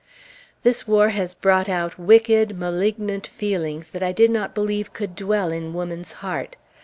This war has brought out wicked, malignant feelings that I did not believe could dwell in woman's heart.